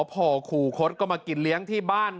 พ่อขู่คดก็มากินเลี้ยงที่บ้าน